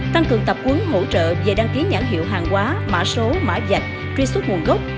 tăng cường tập quấn hỗ trợ về đăng ký nhãn hiệu hàng quá mã số mã dạch truy xuất nguồn gốc